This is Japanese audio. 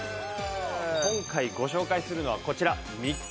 今回ご紹介するのはこちら。